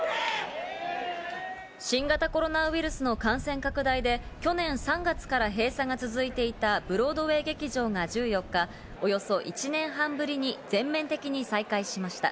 新型コロナウイルスの感染拡大で、去年３月から閉鎖が続いていたブロードウェー劇場が１４日およそ１年半ぶりに全面的に再開しました。